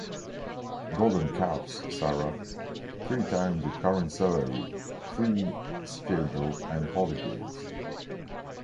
Golden cuffs, Sara. Three times your current salary, free schedule and holidays.